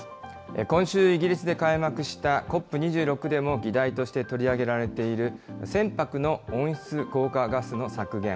今週、イギリスで開幕したＣＯＰ２６でも議題として取り上げられている、船舶の温室効果ガスの削減。